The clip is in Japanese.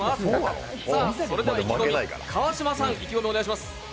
それでは川島さん、意気込みお願いします。